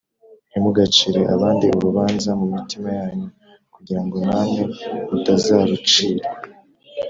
“ntimugacire abandi urubanza mu mitima yanyu, kugira ngo namwe mutazarucirwa